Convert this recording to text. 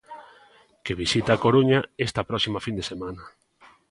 Que visita A Coruña esta próxima fin de semana.